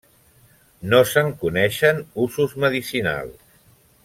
No se'n coneixen usos medicinals.